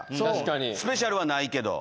スペシャルメニューはないけど。